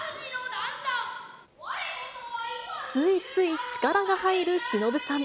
ついつい力が入るしのぶさん。